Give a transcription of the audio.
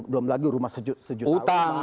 belum lagi rumah sejuta